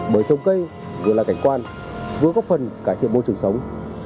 bởi trồng cây vừa là cảnh quan vừa có phần cải thiện môi trường sống